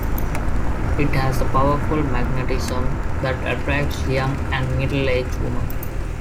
It has a powerful magnetism that attracts young and middle-aged women.